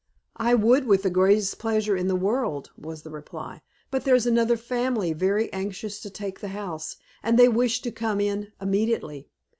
"I would with the greatest pleasure in the world," was the reply, "but there's another family very anxious to take the house, and they wish to come in immediately.